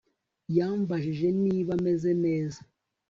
Yambajije niba meze neza